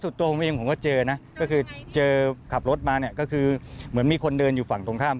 สวัสดีครับ